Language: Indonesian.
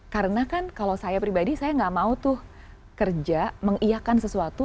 karena kan kalau saya pribadi saya nggak mau tuh kerja mengiakan sesuatu